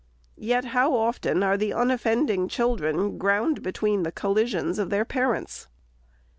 Yet how often are the unoffending children ground between the col lisions of their parents